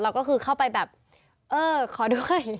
ก็คือเข้าไปแบบเออขอด้วย